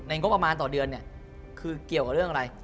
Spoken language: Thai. งบประมาณต่อเดือนเนี่ยคือเกี่ยวกับเรื่องอะไร